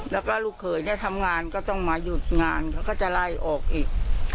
แล้วก็ลูกเขยเนี่ยทำงานก็ต้องมาหยุดงานเขาก็จะไล่ออกอีก